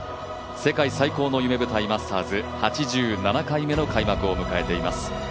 世界最高の夢舞台マスターズ８７回目の開幕を迎えています。